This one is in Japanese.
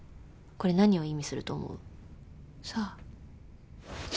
これ何を意味すると思う？さあ。